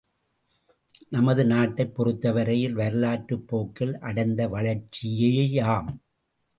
நமது நாட்டைப் பொறுத்தவரையில் வரலாற்றுப் போக்கில் அடைந்த வளர்ச்சியேயாம்!